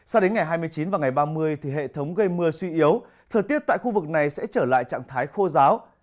sao đến ngày hai mươi chín và ngày ba mươi hệ thống gây mưa suy yếu thời tiết tại khu vực này sẽ trở lại trạng thái khô giáo